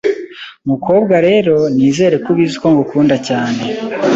Mukobwa rero, nizere ko ubizi ko ngukunda cyane